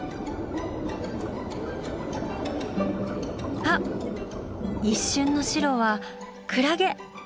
あっ一瞬の白はクラゲ！